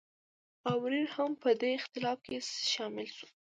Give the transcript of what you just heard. آمرین هم په دې اختلاف کې شامل وي.